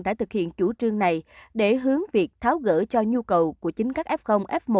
đã thực hiện chủ trương này để hướng việc tháo gỡ cho nhu cầu của chính các f f một